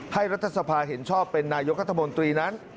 รัฐสภาเห็นชอบเป็นนายกรัฐมนตรีนั้น